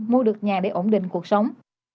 mua được nhà để ổn định cuộc sống